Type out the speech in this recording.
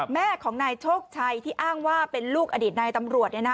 แม่ของนายโชคชัยที่อ้างว่าเป็นลูกอดีตนายตำรวจ